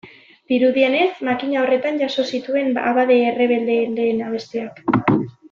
Dirudienez, makina horretan jaso zituen abade errebeldeen lehen abestiak.